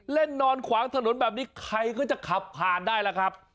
เล่นนอนขวางถนนแบบนี้ใครก็จะขับผ่านได้ล่ะครับ